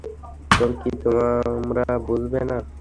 তবে কি তোমরা বুঝবে না?